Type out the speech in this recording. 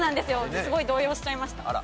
すごい動揺しちゃいました。